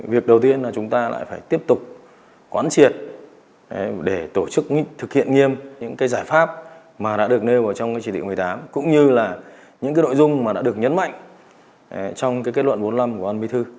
việc đầu tiên là chúng ta lại phải tiếp tục quán triệt để tổ chức thực hiện nghiêm những cái giải pháp mà đã được nêu vào trong cái chỉ định một mươi tám cũng như là những cái nội dung mà đã được nhấn mạnh trong kết luận bốn mươi năm của ban bí thư